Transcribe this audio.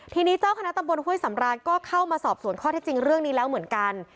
ทีนี้เจ้าคณะตำบลห้วยสำรานก็เข้ามาสอบสวนข้อเท็จจริงเรื่องนี้แล้วเหมือนกัน